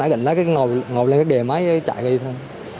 nãy định lái cái ngồi lên cái đề máy chạy đi thôi